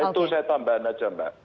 itu saya tambahin aja mbak